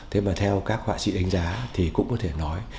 thế mà theo các họa sĩ đánh giá thì cũng có thể nói